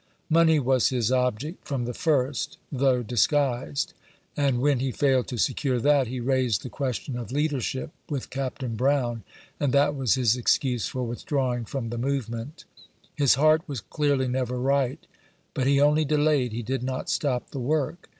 Money was his object from the first, though disguised ; and when he failed to secure that, he raised the question of leadership with Capt. Brown, and that was his excuse for withdrawing from the movement. His heart was clearly never right ; but he only delayed, he did not stop the work.